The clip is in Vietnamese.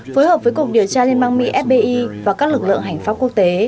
phối hợp với cục điều tra liên bang mỹ fbi và các lực lượng hành pháp quốc tế